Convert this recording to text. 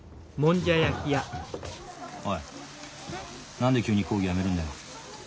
何で急に講義やめるんだよ。